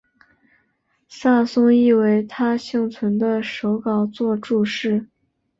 萨松亦为他幸存的手稿作注释。